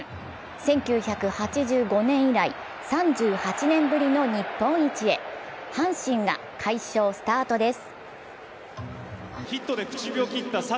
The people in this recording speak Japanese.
１９８５年以来３８年ぶりの日本一へ阪神が快勝スタートです。